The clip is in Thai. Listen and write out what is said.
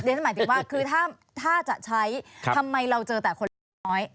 ฉันหมายถึงว่าคือถ้าจะใช้ทำไมเราเจอแต่คนเล็กคนน้อย